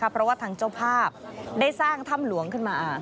เพราะว่าทางเจ้าภาพได้สร้างถ้ำหลวงขึ้นมา